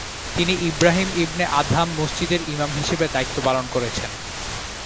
তিনি Ibrahim ibn Adham মসজিদের ইমাম হিসেবে দায়িত্ব পালন করেছেন।